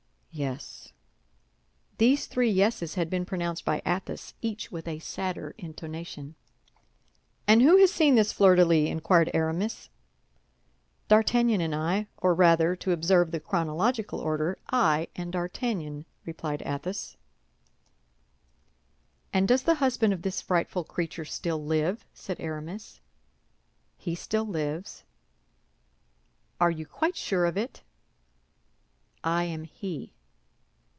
"Yes." These three yeses had been pronounced by Athos, each with a sadder intonation. "And who has seen this fleur de lis?" inquired Aramis. "D'Artagnan and I. Or rather, to observe the chronological order, I and D'Artagnan," replied Athos. "And does the husband of this frightful creature still live?" said Aramis. "He still lives." "Are you quite sure of it?" "I am he."